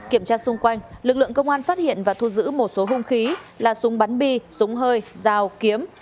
kiểm tra xung quanh lực lượng công an phát hiện và thu giữ một số hung khí là súng bắn bi súng hơi dao kiếm